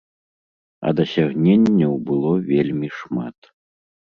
А дасягненняў было вельмі шмат.